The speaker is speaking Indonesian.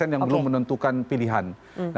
yang belum menentukan pilihannya